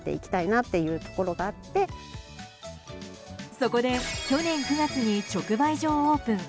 そこで去年９月に直売所をオープン。